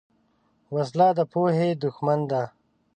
وسله د پوهې دښمن ده